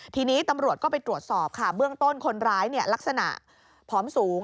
ทีนี้ตำรวจก็ไปตรวจสอบค่ะเบื้องต้นคนร้ายลักษณะผอมสูง